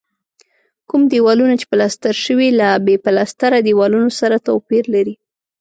کوم دېوالونه چې پلستر شوي له بې پلستره دیوالونو سره توپیر لري.